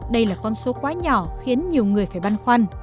đây là con số quá nhỏ khiến nhiều người phải băn khoăn